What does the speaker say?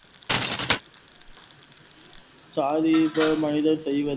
சாதீயப்படைப்புகள் மனிதன் செய்தவை.